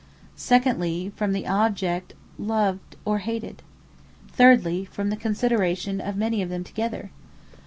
Secondly, from the object loved or hated. Thirdly, from the consideration of many of them together.